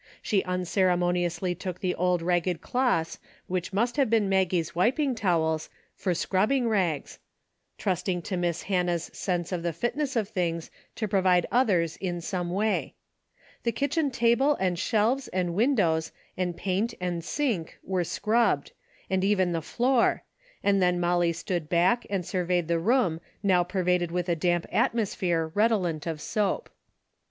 She unceremoniously took the old ragged cloths which must have been Maggie's wiping towels for scrubbing rags, trusting to Miss Hannah's sense of the fitness of things to provide others in some way. The kitchen table and shelves and win dows and paint and sink were scrubbed, and even the floor, and then Molly stood back and surveyed the room now pervaded with a damp atmosphere redolent of soap.